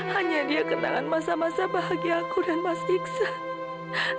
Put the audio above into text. hanya dia kenangan masa masa bahagia aku dan mas iksan